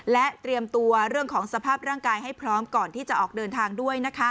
และเตรียมตัวเรื่องของสภาพร่างกายให้พร้อมก่อนที่จะออกเดินทางด้วยนะคะ